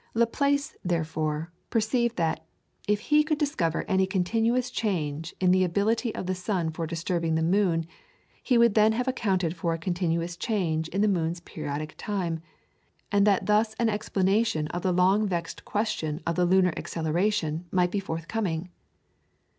Laplace, therefore, perceived that, if he could discover any continuous change in the ability of the sun for disturbing the moon, he would then have accounted for a continuous change in the moon's periodic time, and that thus an explanation of the long vexed question of the lunar acceleration might be forthcoming.